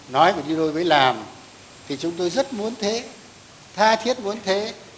nói mà đi đôi với làm thì chúng tôi rất muốn thế tha thiết vốn thế